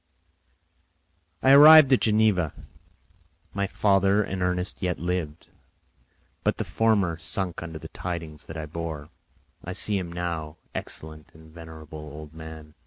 I arrived at Geneva. My father and Ernest yet lived, but the former sunk under the tidings that I bore. I see him now, excellent and venerable old man!